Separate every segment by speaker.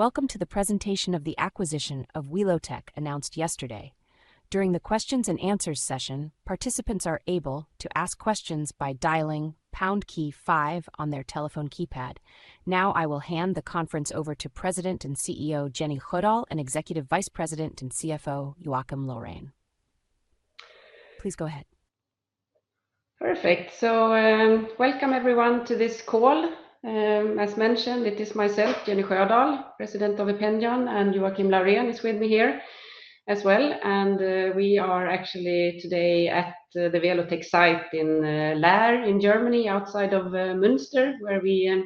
Speaker 1: Welcome to the presentation of the acquisition of Welotec announced yesterday. During the question-and-answer session, participants are able to ask questions by dialing pound key five on their telephone keypad. Now, I will hand the conference over to President and CEO Jenny Sjödahl and Executive Vice President and CFO Joakim Laurén. Please go ahead.
Speaker 2: Perfect. Welcome everyone to this call. As mentioned, it is myself, Jenny Sjödahl, President of Ependion, and Joakim Laurén is with me here as well. We are actually today at the Welotec site in Laer in Germany, outside of Münster, where we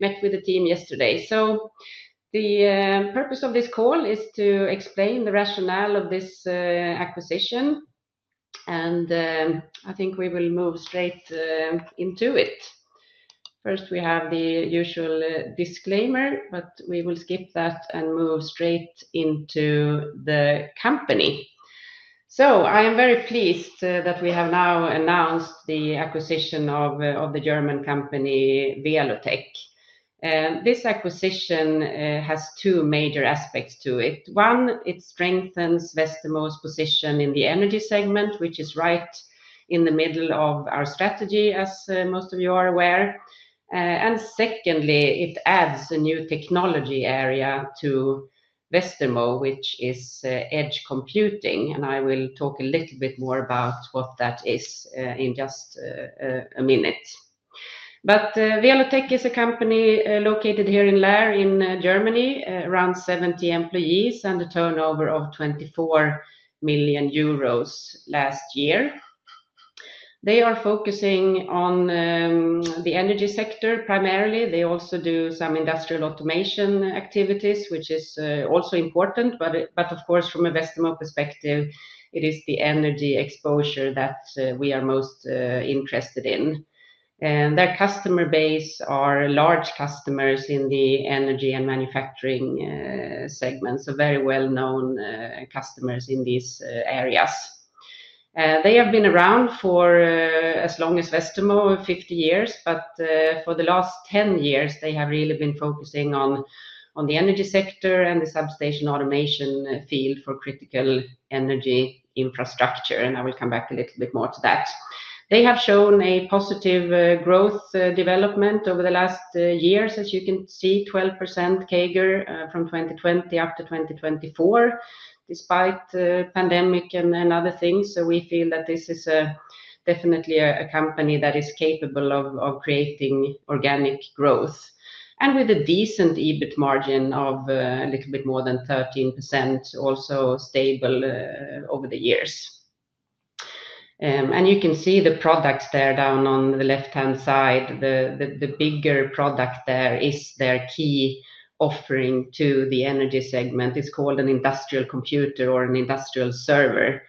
Speaker 2: met with the team yesterday. The purpose of this call is to explain the rationale of this acquisition, and I think we will move straight into it. First, we have the usual disclaimer, but we will skip that and move straight into the company. I am very pleased that we have now announced the acquisition of the German company Welotec. This acquisition has two major aspects to it. One, it strengthens Westermo's position in the energy segment, which is right in the middle of our strategy, as most of you are aware. Secondly, it adds a new technology area to Westermo, which is edge computing. I will talk a little bit more about what that is in just a minute. Welotec is a company located here in Laer in Germany, around 70 employees and a turnover of 24 million euros last year. They are focusing on the energy sector primarily. They also do some industrial automation activities, which is also important. Of course, from a Westermo perspective, it is the energy exposure that we are most interested in. Their customer base are large customers in the energy and manufacturing segment, so very well-known customers in these areas. They have been around for as long as Westermo, 50 years, but for the last 10 years, they have really been focusing on the energy sector and the substation automation field for critical energy infrastructure. I will come back a little bit more to that. They have shown a positive growth development over the last years, as you can see, 12% CAGR from 2020 up to 2024, despite the pandemic and other things. We feel that this is definitely a company that is capable of creating organic growth and with a decent EBIT margin of a little bit more than 13%, also stable over the years. You can see the products there down on the left-hand side. The bigger product there is their key offering to the energy segment. It's called an industrial computer or an industrial server.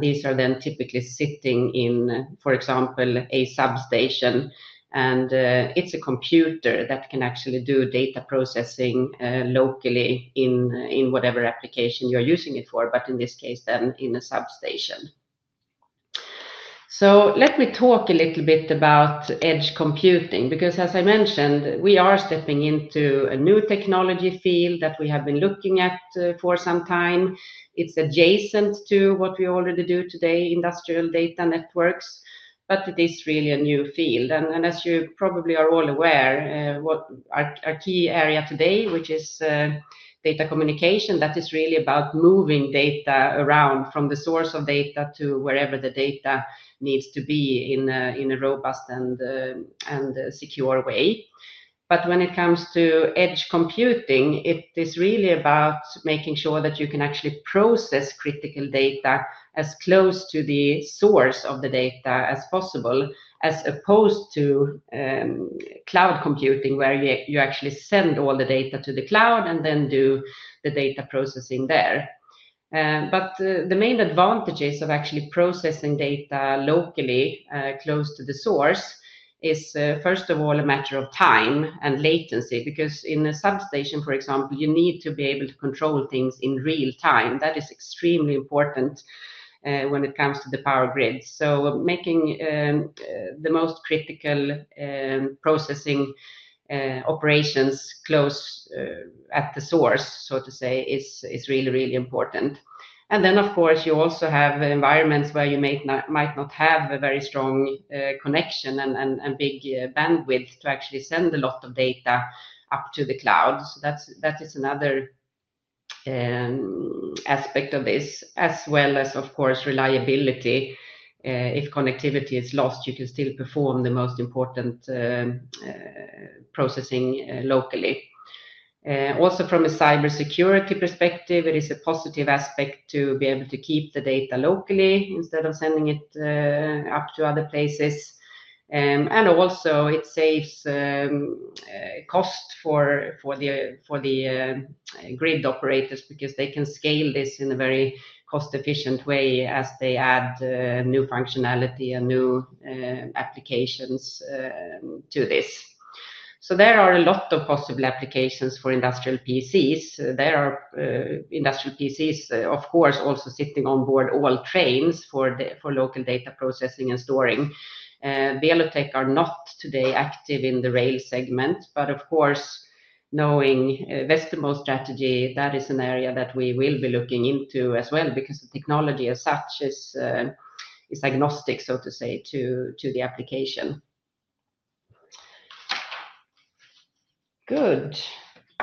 Speaker 2: These are then typically sitting in, for example, a substation. It's a computer that can actually do data processing locally in whatever application you're using it for, but in this case, then in a substation. Let me talk a little bit about edge computing, because, as I mentioned, we are stepping into a new technology field that we have been looking at for some time. It is adjacent to what we already do today, industrial data networks, but it is really a new field. As you probably are all aware, our key area today, which is data communication, that is really about moving data around from the source of data to wherever the data needs to be in a robust and secure way. When it comes to edge computing, it is really about making sure that you can actually process critical data as close to the source of the data as possible, as opposed to cloud computing, where you actually send all the data to the cloud and then do the data processing there. The main advantages of actually processing data locally, close to the source, is, first of all, a matter of time and latency, because in a substation, for example, you need to be able to control things in real time. That is extremely important when it comes to the power grid. Making the most critical processing operations close, at the source, so to say, is really, really important. You also have environments where you might not have a very strong connection and big bandwidth to actually send a lot of data up to the cloud. That is another aspect of this, as well as, of course, reliability. If connectivity is lost, you can still perform the most important processing locally. Also from a cybersecurity perspective, it is a positive aspect to be able to keep the data locally instead of sending it up to other places. It also saves cost for the grid operators, because they can scale this in a very cost-efficient way as they add new functionality and new applications to this. There are a lot of possible applications for industrial PCs. There are industrial PCs, of course, also sitting on board all trains for local data processing and storing. Welotec are not today active in the rail segment, but of course, knowing Westermo's strategy, that is an area that we will be looking into as well, because the technology as such is agnostic, so to say, to the application. Good.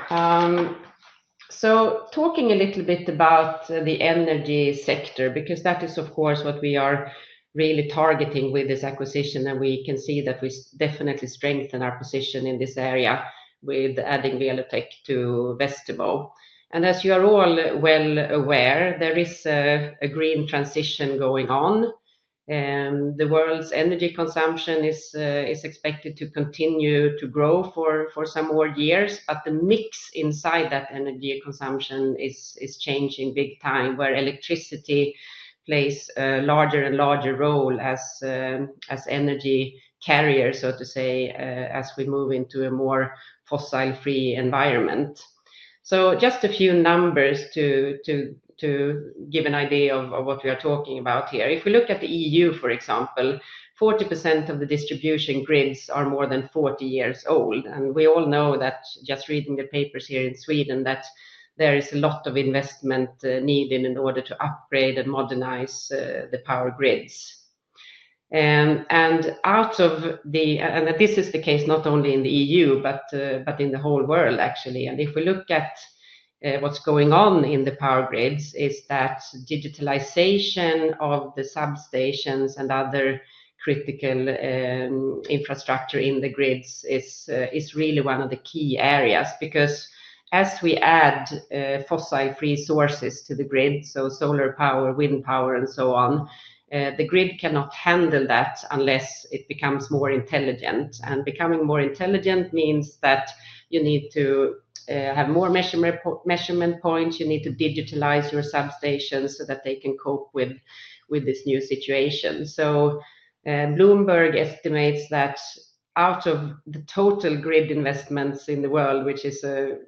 Speaker 2: Talking a little bit about the energy sector, because that is, of course, what we are really targeting with this acquisition, and we can see that we definitely strengthen our position in this area with adding Welotec to Westermo. As you are all well aware, there is a green transition going on. The world's energy consumption is expected to continue to grow for some more years, but the mix inside that energy consumption is changing big time, where electricity plays a larger and larger role as energy carrier, so to say, as we move into a more fossil-free environment. Just a few numbers to give an idea of what we are talking about here. If we look at the EU, for example, 40% of the distribution grids are more than 40 years old. We all know that, just reading the papers here in Sweden, there is a lot of investment needed in order to upgrade and modernize the power grids. This is the case not only in the EU, but in the whole world, actually. If we look at what's going on in the power grids, it's that digitalization of the substations and other critical infrastructure in the grids is really one of the key areas, because as we add fossil-free sources to the grid, so solar power, wind power, and so on, the grid cannot handle that unless it becomes more intelligent. Becoming more intelligent means that you need to have more measurement points. You need to digitalize your substations so that they can cope with this new situation. Bloomberg estimates that out of the total grid investments in the world, which is an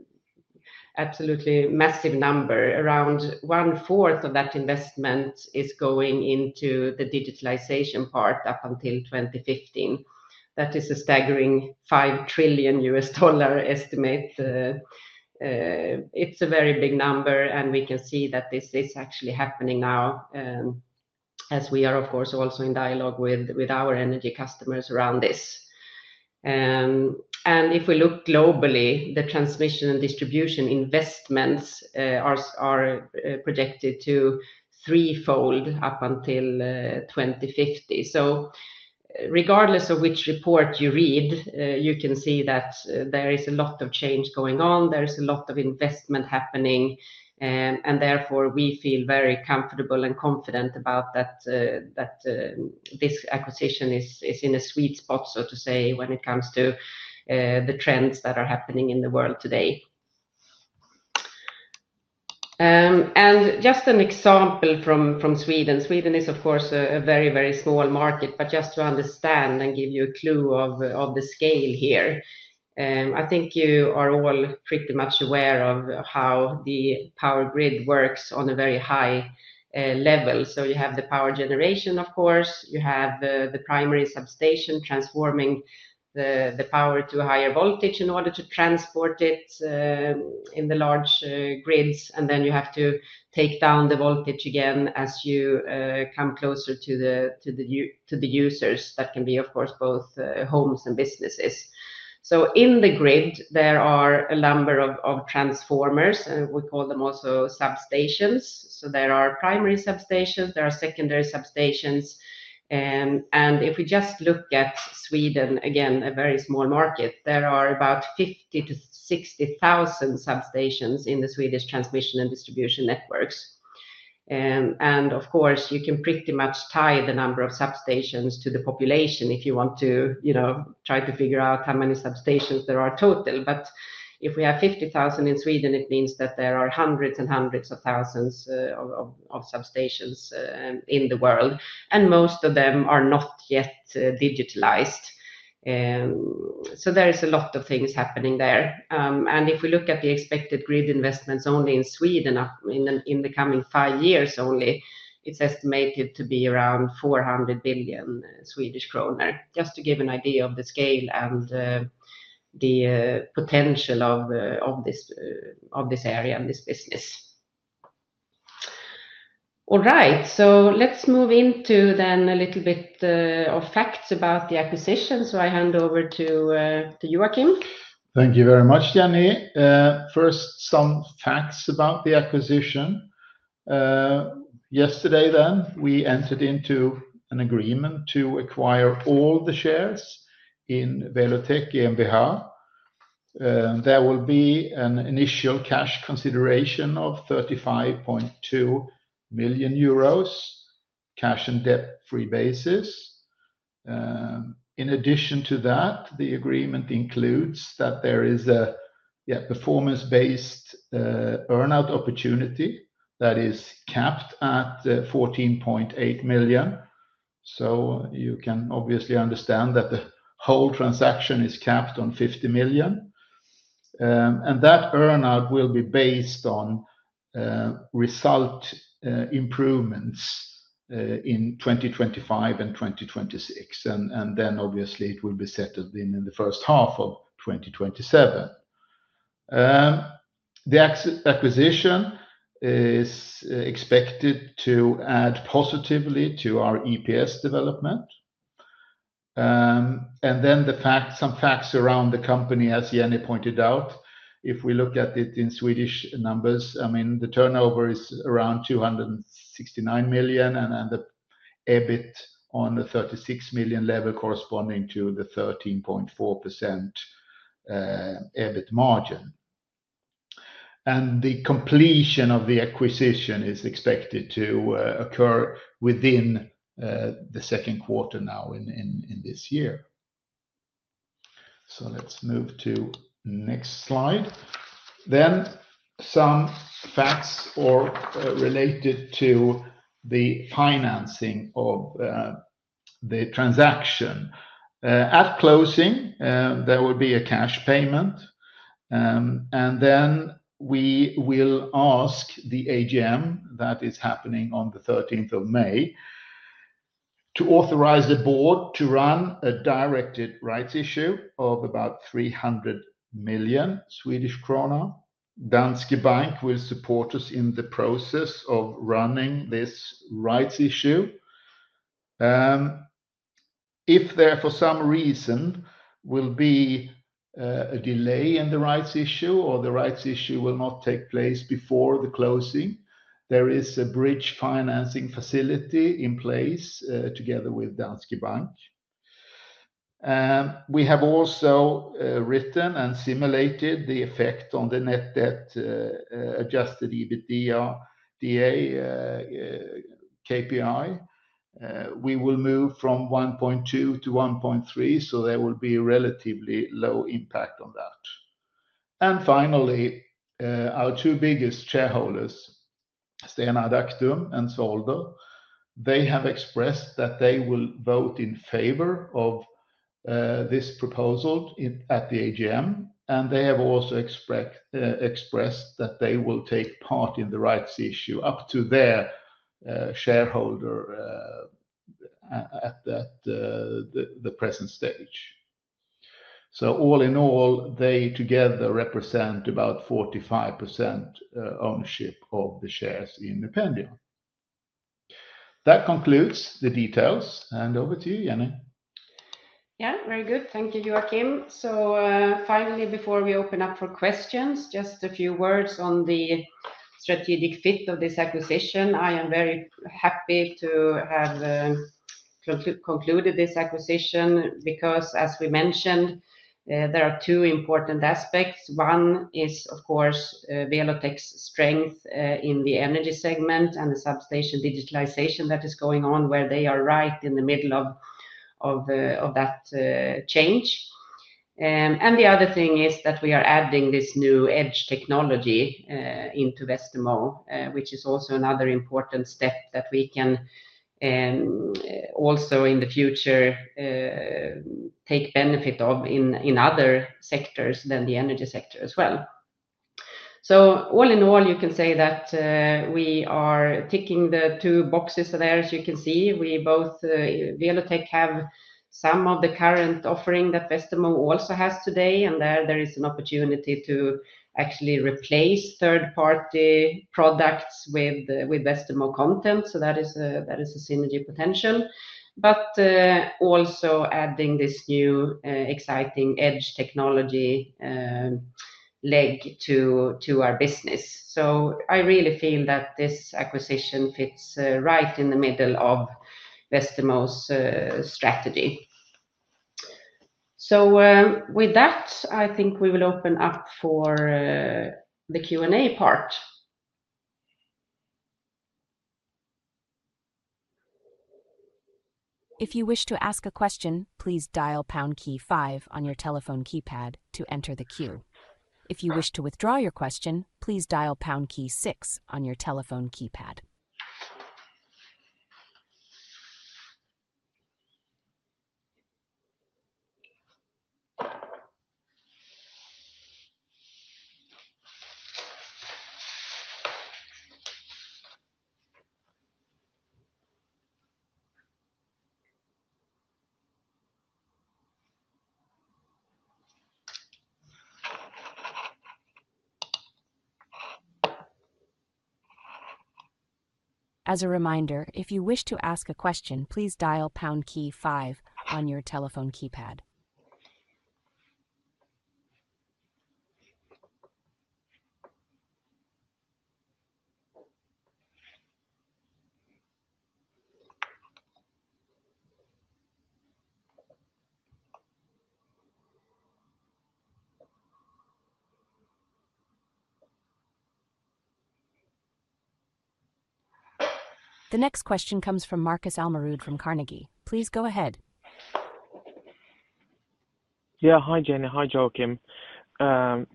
Speaker 2: absolutely massive number, around one-fourth of that investment is going into the digitalization part up until 2015. That is a staggering $5 trillion estimate. It's a very big number, and we can see that this is actually happening now, as we are, of course, also in dialogue with our energy customers around this. If we look globally, the transmission and distribution investments are projected to threefold up until 2050. Regardless of which report you read, you can see that there is a lot of change going on. There is a lot of investment happening, and therefore we feel very comfortable and confident about that this acquisition is in a sweet spot, so to say, when it comes to the trends that are happening in the world today. Just an example from Sweden. Sweden is, of course, a very, very small market, but just to understand and give you a clue of the scale here, I think you are all pretty much aware of how the power grid works on a very high level. You have the power generation, of course. You have the primary substation transforming the power to a higher voltage in order to transport it in the large grids. You have to take down the voltage again as you come closer to the users. That can be, of course, both homes and businesses. In the grid, there are a number of transformers, and we call them also substations. There are primary substations, there are secondary substations. If we just look at Sweden again, a very small market, there are about 50,000-60,000 substations in the Swedish transmission and distribution networks. Of course, you can pretty much tie the number of substations to the population if you want to, you know, try to figure out how many substations there are total. If we have 50,000 in Sweden, it means that there are hundreds and hundreds of thousands of substations in the world, and most of them are not yet digitalized. There is a lot of things happening there. If we look at the expected grid investments only in Sweden in the coming five years, it's estimated to be around 400 billion Swedish kronor, just to give an idea of the scale and the potential of this area and this business. All right, so let's move into then a little bit of facts about the acquisition. So I hand over to, to Joakim.
Speaker 3: Thank you very much, Jenny. First, some facts about the acquisition. Yesterday then we entered into an agreement to acquire all the shares in Welotec GmbH. There will be an initial cash consideration of 35.2 million euros, cash and debt-free basis. In addition to that, the agreement includes that there is a, yeah, performance-based, earn-out opportunity that is capped at 14.8 million. You can obviously understand that the whole transaction is capped on 50 million. That earn-out will be based on result improvements in 2025 and 2026. Then obviously it will be settled in the first half of 2027. The acquisition is expected to add positively to our EPS development. The fact, some facts around the company, as Jenny pointed out, if we look at it in Swedish numbers, I mean, the turnover is around 269 million, and the EBIT on the 36 million level corresponding to the 13.4% EBIT margin. The completion of the acquisition is expected to occur within the second quarter now in this year. Let's move to the next slide. Some facts related to the financing of the transaction. At closing, there will be a cash payment. We will ask the AGM that is happening on the 13th of May to authorize the board to run a directed rights issue of about 300 million Swedish krona. Danske Bank will support us in the process of running this rights issue. If there for some reason will be a delay in the rights issue or the rights issue will not take place before the closing, there is a bridge financing facility in place, together with Danske Bank. We have also written and simulated the effect on the net debt, Adjusted EBITDA, KPI. We will move from 1.2 to 1.3, so there will be a relatively low impact on that. Finally, our two biggest shareholders, Stena Adactum and Svolder, have expressed that they will vote in favor of this proposal at the AGM, and they have also expressed that they will take part in the rights issue up to their shareholder, at the present stage. All in all, they together represent about 45% ownership of the shares in Ependion. That concludes the details, and over to you, Jenny.
Speaker 2: Yeah, very good. Thank you, Joakim. Finally, before we open up for questions, just a few words on the strategic fit of this acquisition. I am very happy to have concluded this acquisition because, as we mentioned, there are two important aspects. One is, of course, Welotec's strength in the energy segment and the substation digitalization that is going on, where they are right in the middle of that change. The other thing is that we are adding this new edge technology into Westermo, which is also another important step that we can, also in the future, take benefit of in other sectors than the energy sector as well. All in all, you can say that we are ticking the two boxes there, as you can see. We both, Welotec have some of the current offering that Westermo also has today, and there, there is an opportunity to actually replace third-party products with, with Westermo content. That is a synergy potential, but also adding this new, exciting edge technology leg to our business. I really feel that this acquisition fits right in the middle of Westermo's strategy. With that, I think we will open up for the Q&A part.
Speaker 1: If you wish to ask a question, please dial pound key five on your telephone keypad to enter the queue. If you wish to withdraw your question, please dial pound key six on your telephone keypad. As a reminder, if you wish to ask a question, please dial pound key five on your telephone keypad. The next question comes from Markus Almerud from Carnegie. Please go ahead.
Speaker 4: Yeah, hi, Jenny. Hi, Joakim.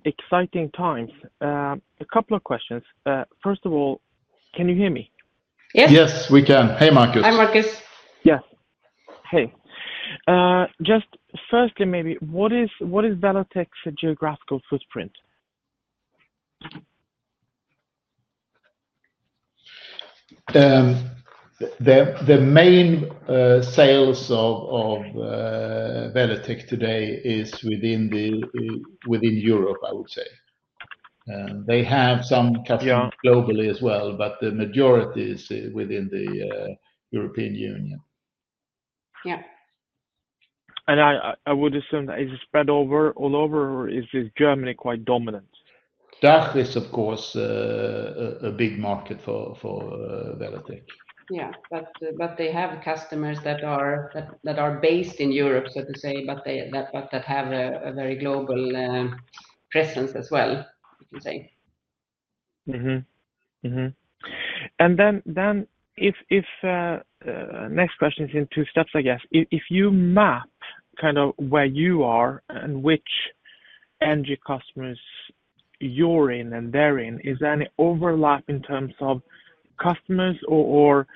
Speaker 4: Exciting times. A couple of questions. First of all, can you hear me?
Speaker 2: Yes.
Speaker 3: Yes, we can. Hey, Markus.
Speaker 2: Hi, Markus.
Speaker 4: Yes. Hey. Just firstly, maybe what is, what is Welotec's geographical footprint?
Speaker 3: The main sales of Welotec today is within Europe, I would say. They have some customers globally as well, but the majority is within the European Union.
Speaker 2: Yeah.
Speaker 4: I would assume that is it spread all over, or is Germany quite dominant?
Speaker 3: DACH is, of course, a big market for Welotec.
Speaker 2: Yeah, but they have customers that are based in Europe, so to say, but that have a very global presence as well, you can say.
Speaker 4: Mm-hmm. Mm-hmm. If the next question is in two steps, I guess, if you map kind of where you are and which energy customers you're in and they're in, is there any overlap in terms of customers, or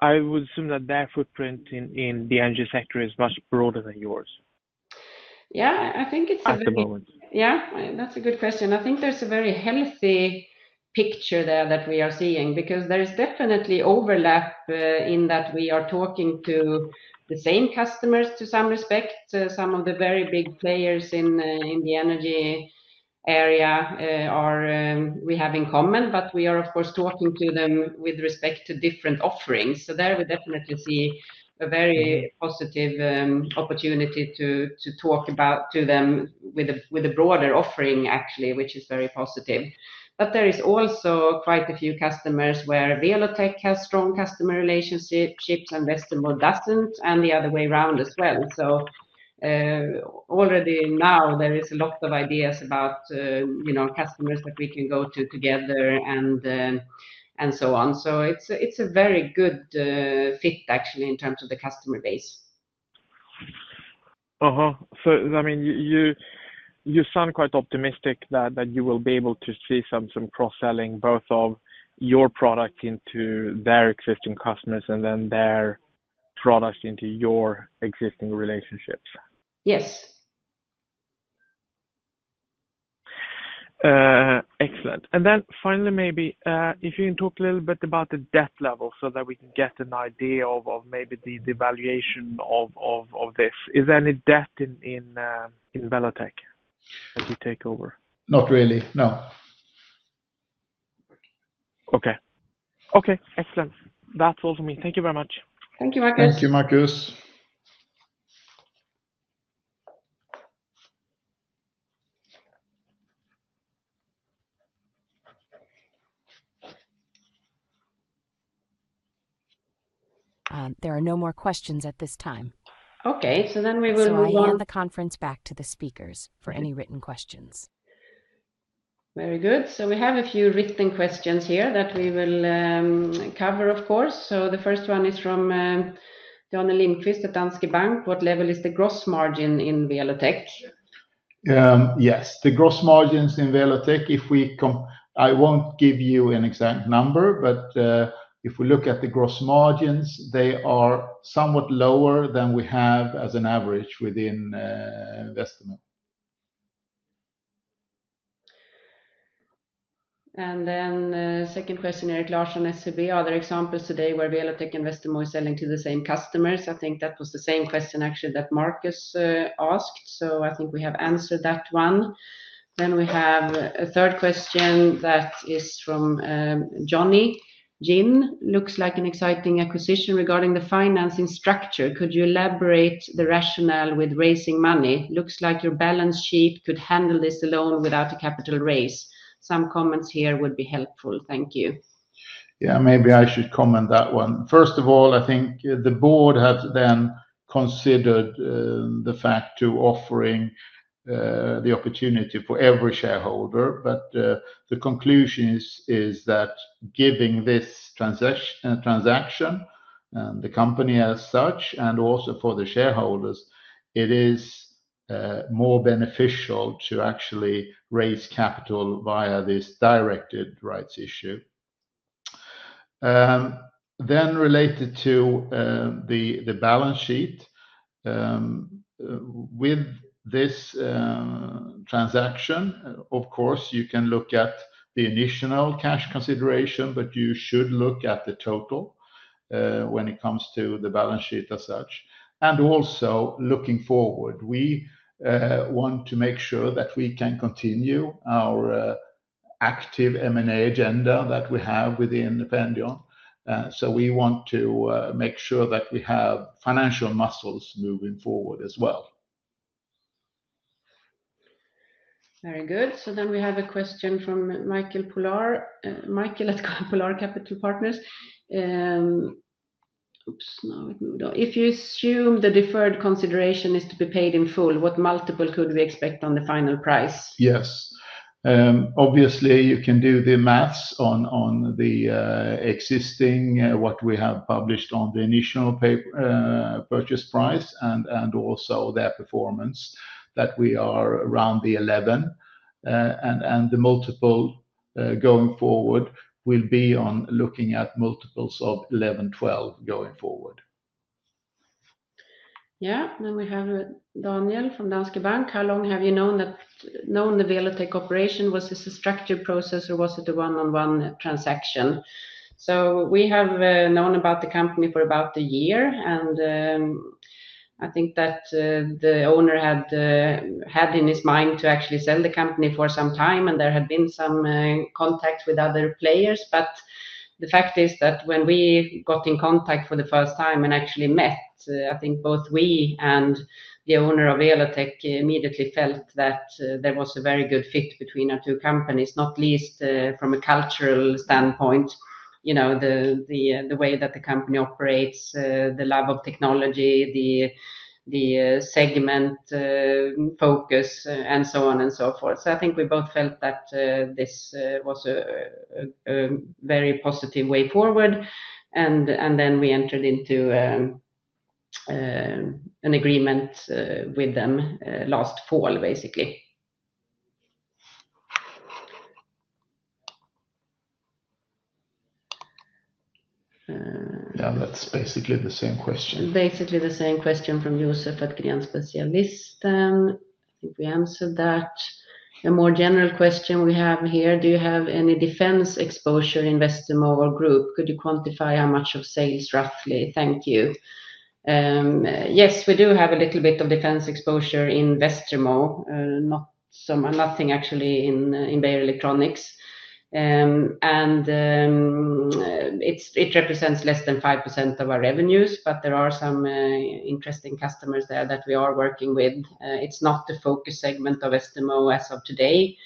Speaker 4: I would assume that their footprint in the energy sector is much broader than yours?
Speaker 2: I think it's a very good question. I think there's a very healthy picture there that we are seeing because there is definitely overlap, in that we are talking to the same customers to some respect. Some of the very big players in the energy area, we have in common, but we are, of course, talking to them with respect to different offerings. There we definitely see a very positive opportunity to talk about to them with a broader offering actually, which is very positive. There is also quite a few customers where Welotec has strong customer relationships and Westermo does not, and the other way around as well. Already now there is a lot of ideas about, you know, customers that we can go to together and so on. It is a very good fit actually in terms of the customer base.
Speaker 4: I mean, you sound quite optimistic that you will be able to see some cross-selling both of your product into their existing customers and then their product into your existing relationships.
Speaker 2: Yes.
Speaker 4: Excellent. And then finally, maybe, if you can talk a little bit about the debt level so that we can get an idea of, of maybe the, the valuation of this. Is there any debt in Welotec as you take over?
Speaker 3: Not really. No.
Speaker 4: Okay. Okay. Excellent. That's all from me. Thank you very much.
Speaker 2: Thank you, Markus.
Speaker 3: Thank you, Markus.
Speaker 1: There are no more questions at this time.
Speaker 2: Okay.
Speaker 1: We will hand the conference back to the speakers for any written questions.
Speaker 2: Very good. We have a few written questions here that we will cover, of course. The first one is from Daniel Lindkvist at Danske Bank. What level is the gross margin in Welotec?
Speaker 3: Yes. The gross margins in Welotec, I won't give you an exact number, but, if we look at the gross margins, they are somewhat lower than we have as an average within Westermo.
Speaker 2: The second question, Eric Larsen, are there examples today where Welotec and Westermo are selling to the same customers? I think that was the same question actually that Markus asked. I think we have answered that one. We have a third question that is from Jonny Jin. Looks like an exciting acquisition regarding the financing structure. Could you elaborate the rationale with raising money? Looks like your balance sheet could handle this alone without a capital raise. Some comments here would be helpful. Thank you.
Speaker 3: Maybe I should comment that one. First of all, I think the board has then considered the fact of offering the opportunity for every shareholder. The conclusion is that given this transaction and the company as such, and also for the shareholders, it is more beneficial to actually raise capital via this directed rights issue. Related to the balance sheet, with this transaction, of course, you can look at the initial cash consideration, but you should look at the total when it comes to the balance sheet as such. Also looking forward, we want to make sure that we can continue our active M&A agenda that we have within Ependion. We want to make sure that we have financial muscles moving forward as well.
Speaker 2: Very good. We have a question from Michael at Polar Capital Partners. Oops, now it moved on. If you assume the deferred consideration is to be paid in full, what multiple could we expect on the final price?
Speaker 3: Yes, obviously, you can do the maths on the existing, what we have published on the initial purchase price and also their performance that we are around the 11, and the multiple going forward will be on looking at multiples of 11-12 going forward.
Speaker 2: Yeah. We have a Daniel from Danske Bank. How long have you known the Welotec operation? Was this a structured process or was it a one-on-one transaction? We have known about the company for about a year, and I think that the owner had in his mind to actually sell the company for some time, and there had been some contact with other players. The fact is that when we got in contact for the first time and actually met, I think both we and the owner of Welotec immediately felt that there was a very good fit between our two companies, not least from a cultural standpoint, you know, the way that the company operates, the love of technology, the segment focus, and so on and so forth. I think we both felt that this was a very positive way forward. Then we entered into an agreement with them last fall basically. Yeah, that's basically the same question. Basically the same question from Yusuf at Krian Specialists. I think we answered that. A more general question we have here. Do you have any defense exposure in Westermo or group? Could you quantify how much of sales roughly? Thank you. Yes, we do have a little bit of defense exposure in Westermo, not some, nothing actually in Beijer Electronics. It represents less than 5% of our revenues, but there are some interesting customers there that we are working with. It is not the focus segment of Westermo as of today,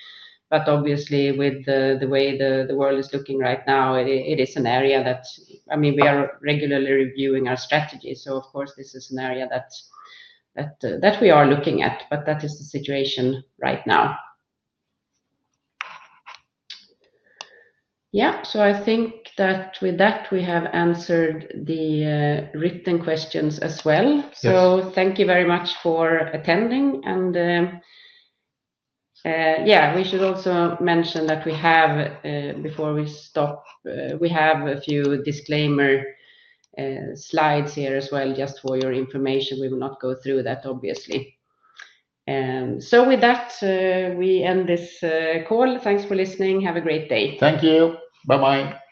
Speaker 2: but obviously with the way the world is looking right now, it is an area that, I mean, we are regularly reviewing our strategy. Of course this is an area that we are looking at, but that is the situation right now. I think that with that we have answered the written questions as well. Thank you very much for attending. We should also mention that we have, before we stop, a few disclaimer slides here as well just for your information. We will not go through that obviously. With that, we end this call. Thanks for listening. Have a great day.
Speaker 3: Thank you. Bye-bye.